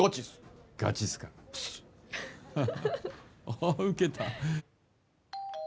あっ、ウケた。